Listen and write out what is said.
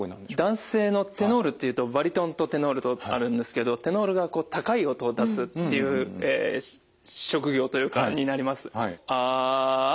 男性のテノールっていうとバリトンとテノールとあるんですけどテノールが高い音を出すっていう職業になります。